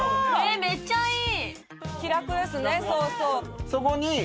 めっちゃいい。